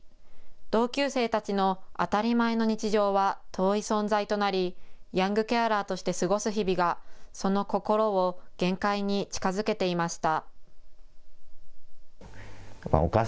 同級生たちの当たり前の日常は遠い存在となりヤングケアラーとして過ごす日々が、その心を限界に近づけていました。